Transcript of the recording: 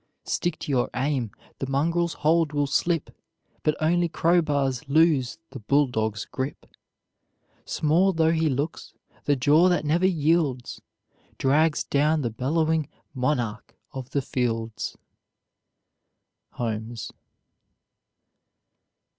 Stick to your aim; the mongrel's hold will slip, But only crowbars loose the bulldog's grip; Small though he looks, the jaw that never yields Drags down the bellowing monarch of the fields! HOLMES.